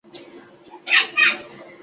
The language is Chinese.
疏花马蓝属是爵床科下的一个属。